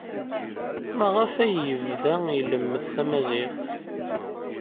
Maɣef ay yebda ilemmed tamaziɣt?